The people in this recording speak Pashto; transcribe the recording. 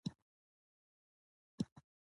پیلوټ د اوریدو او لیدو قوي حس لري.